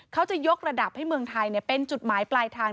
เขาจะยกระดับให้เมืองไทยเป็นจุดหมายปลายทาง